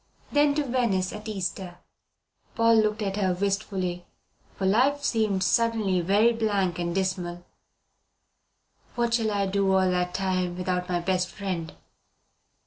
Then to Venice at Easter." Paul looked at her wistfully, for life seemed suddenly very blank and dismal. "What shall I do all that time without my best friend?"